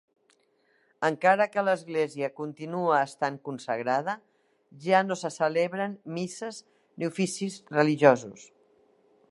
Encara que l'església continua estant consagrada, ja no se celebren misses ni oficis religiosos.